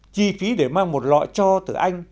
chi phí để mang một lõi cho từ anh